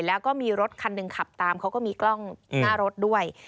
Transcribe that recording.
แล้วก็มีรถคันหนึ่งขับตามเขาก็มีกล้องหน้ารถด้วย